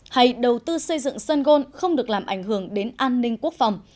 hay đầu tư xây dựng sân gôn không được làm ảnh hưởng đến an ninh quốc phòng